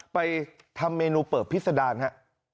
ไปทำเมนูเปิบพิษดารฮะ